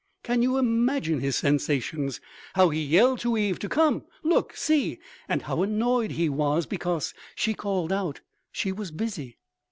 Can you imagine his sensations? How he yelled to Eve to come look see, and, how annoyed he was because she called out she was busy....